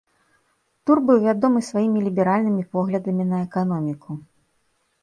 Тур быў вядомы сваімі ліберальнымі поглядамі на эканоміку.